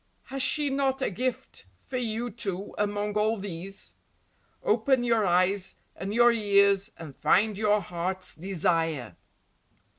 Has she not a gift for you, too, among all these? Open your eyes and your ears and find your heart's desire!